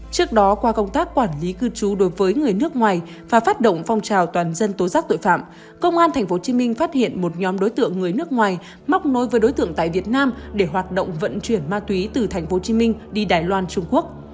trước đó qua công tác quản lý cư trú đối với người nước ngoài và phát động phong trào toàn dân tố giác tội phạm công an tp hcm phát hiện một nhóm đối tượng người nước ngoài móc nối với đối tượng tại việt nam để hoạt động vận chuyển ma túy từ tp hcm đi đài loan trung quốc